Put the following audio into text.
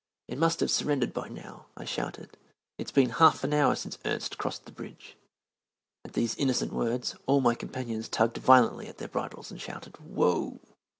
"It must have surrendered by now," I shouted. "It's been half an hour since Ernst crossed the bridge." At these innocent words, all my companions tugged violently at their bridles and shouted "Whoa!"